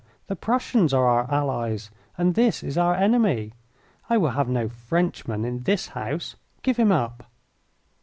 The Prussians are our allies and this is our enemy. I will have no Frenchman in this house. Give him up!"